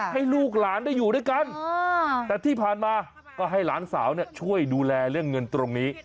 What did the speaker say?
ให้ลูกหลานได้อยู่ด้วยกันแต่ที่ผ่านมาก็ให้หลานสาวช่วยดูแลเรื่องเงินตรงนี้